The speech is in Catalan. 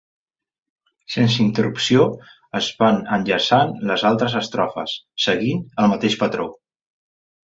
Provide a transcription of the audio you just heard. Sense interrupció es van enllaçant les altres estrofes, seguint el mateix patró.